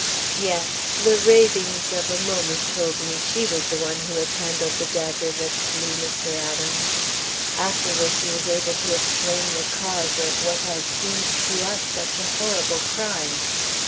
"Yes; the ravings of a moment told me she was the one who had handled the dagger that slew Mr. Adams. Afterward, she was able to explain the cause of what has seemed to us such a horrible crime.